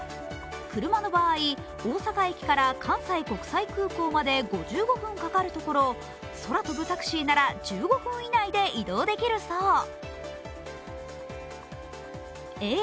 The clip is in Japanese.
車の場合、大阪駅から関西国際空港まで５５分かかるところを空飛ぶタクシーなら１５分以内で移動できるそう。